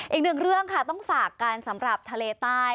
อีกหนึ่งเรื่องค่ะต้องฝากกันสำหรับทะเลใต้